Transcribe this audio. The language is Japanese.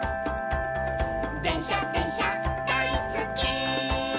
「でんしゃでんしゃだいすっき」